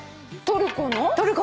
トルコの。